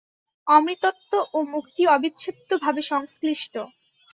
অমৃতত্ব ও মুক্তি অবিচ্ছেদ্যভাবে সংশ্লিষ্ট।